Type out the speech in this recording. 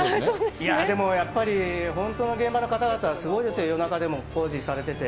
いやー、でもやっぱり、本当の現場の方々はすごいですよ、夜中でも工事されてて。